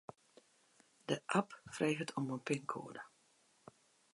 De app freget om in pinkoade.